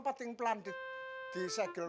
pating pelan disegel